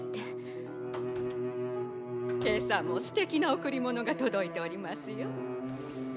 ・ガチャ今朝もすてきな贈り物が届いておりますよ。